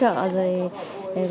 rất là thương